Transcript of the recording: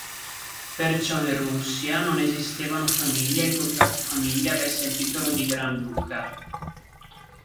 Perciò in Russia non esistevano famiglie il cui capofamiglia avesse il titolo di "Granduca".